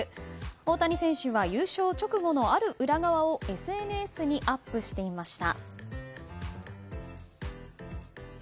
大谷選手は優勝直後のある裏側をＳＮＳにアップしていました。